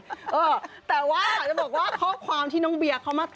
เออแต่ว่าจะบอกว่าข้อความที่น้องเบียร์เขามาต่อ